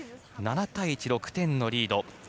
７対１、６点のリード。